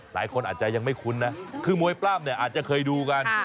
หลายคนอาจจะยังไม่คุ้นนะคือมวยปล้ำเนี่ยอาจจะเคยดูกัน